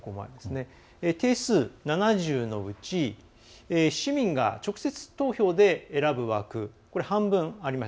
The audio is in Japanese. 定数７０のうち、市民が直接投票で選ぶ枠、半分あります。